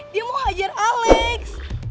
dia mau hajar alex